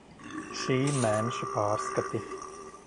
Šī mēneša pārskati.